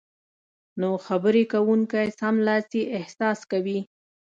نو خبرې کوونکی سملاسي احساس کوي